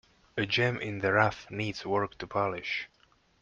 A gem in the rough needs work to polish.